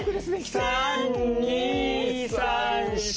３２３４。